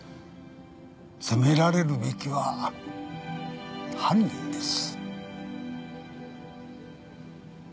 責められるべきは犯人です。